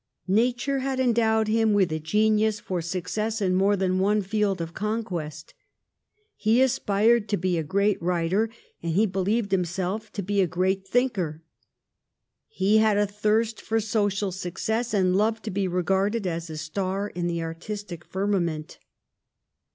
Nature had endowed him with a genius for success in more than one field of conquest. He aspired to be a great writer, and he believed himself to be a great thinker. He had a thirst for social success, and loved to be regarded as a star in the artistic firmament.